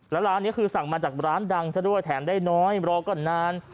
แล้วร้านนี้คือสั่งมาจากร้านดังซะด้วยแถมได้น้อยรอก่อนนาน